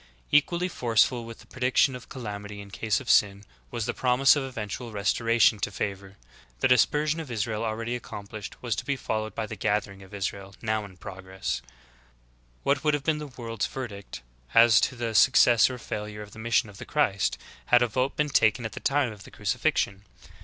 Equally forceful with the prediction of calamity in case of sin, was the promise of eventual restor ation to favor. The dispersion of Israel already accom plished, was to be followed by the gathering of Israel now in progress.'^ 14. What would have been the world's verdict as to the <* See the author's "Articles of Faith," lectures 17 and 18. THE APOSTASY PREDICTED. 23 success or failure of the mission of the Christ, had a vote been taken at the time of the crucifixion?